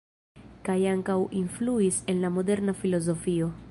Kaj ankaŭ influis en la moderna filozofio.